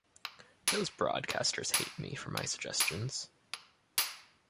Those broadcasters hate me for my suggestions.